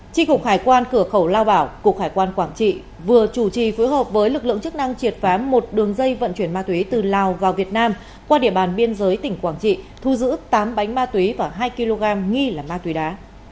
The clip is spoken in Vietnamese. tri cục hải quan cửa khẩu lao bảo cục hải quan quảng trị vừa chủ trì phối hợp với lực lượng chức năng triệt phá một đường dây vận chuyển ma túy từ lào vào việt nam qua địa bàn biên giới tỉnh quảng trị thu giữ tám bánh ma túy và hai kg nghi là ma túy đá